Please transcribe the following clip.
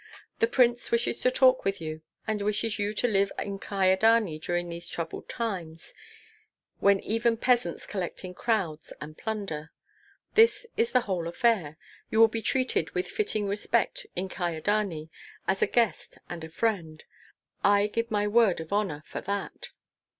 The prince wishes to talk with you, and wishes you to live in Kyedani during these troubled times, when even peasants collect in crowds and plunder. This is the whole affair! You will be treated with fitting respect in Kyedani, as a guest and a friend; I give my word of honor for that."